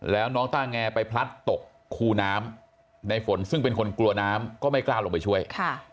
แล้วน้องต้าแงไปพลัดตกคูน้ำในฝนซึ่งเป็นคนกลัวน้ำก็ไม่กล้าลงไปช่วย